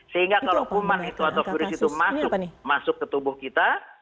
sehingga kalau kuman itu atau virus itu masuk ke tubuh kita